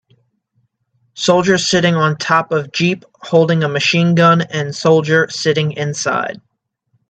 Soldier sitting on top of Jeep holding a machine gun and soldier sitting inside.